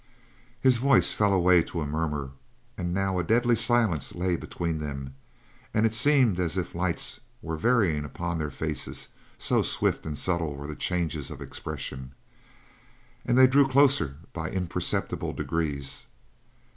His voice fell away to a murmur, and now a deadly silence lay between them, and it seemed as if lights were varying upon their faces, so swift and subtle were the changes of expression. And they drew closer by imperceptible degrees.